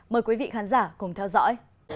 mời quý vị khán giả cùng theo dõi